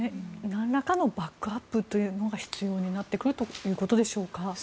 なんらかのバックアップというものが必要になってくるということでしょうか。